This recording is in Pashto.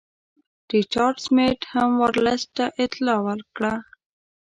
ریچارډ سمیت هم ورلسټ ته اطلاع ورکړه.